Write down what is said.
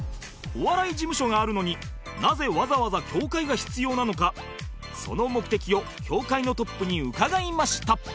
お笑い事務所があるのになぜわざわざ協会が必要なのかその目的を協会のトップに伺いました